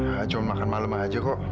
gak cuma makan malam aja kok